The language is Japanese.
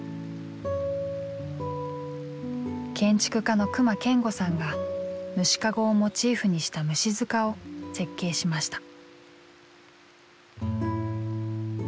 建築家の隈研吾さんが虫かごをモチーフにした虫塚を設計しました。